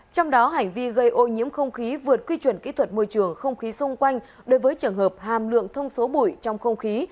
trong đó hành vi gây ô nhiễm không khí vượt quy chuẩn kỹ thuật môi trường không khí xung quanh đối với trường hợp hàm lượng thông số bụi trong không khí